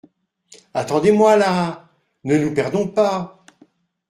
Attendez-moi là !… ne nous perdons pas !